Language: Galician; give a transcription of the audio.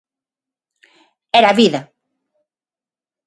Era vida.